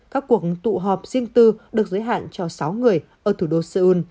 các cuộc tụ họp riêng tư được giới hạn cho sáu người ở thủ đô seoul